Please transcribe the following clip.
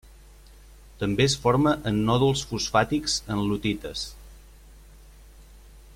També es forma en nòduls fosfàtics en lutites.